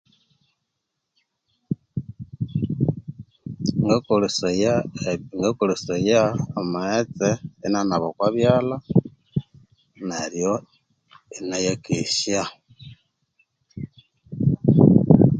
Ngakolesaya amaghetse inganaba okobyala neryo ingayakesya